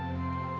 ya udah mpok